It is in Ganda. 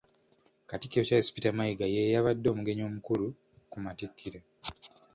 Katikkiro Charles Peter Mayiga y'eyabadde omugenyi omukulu ku matikkira.